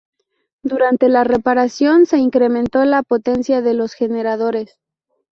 Durante la reparación se incrementó la potencia de los generadores.